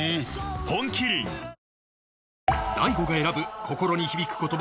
本麒麟大悟が選ぶ心に響く言葉